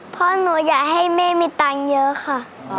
เพราะหนูอยากให้แม่มีตังค์เยอะค่ะ